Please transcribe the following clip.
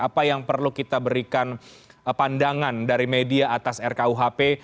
apa yang perlu kita berikan pandangan dari media atas rkuhp